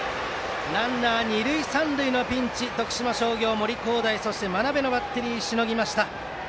ランナー二塁三塁のピンチを徳島商業の森煌誠と真鍋のバッテリーがしのぎました。